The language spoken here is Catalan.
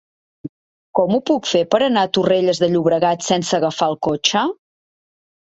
Com ho puc fer per anar a Torrelles de Llobregat sense agafar el cotxe?